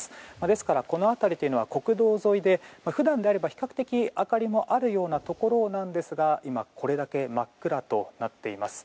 ですから、この辺りというのは国道沿いで普段であれば比較的、明かりもあるようなところなんですが今、これだけ真っ暗となっています。